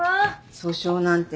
訴訟なんて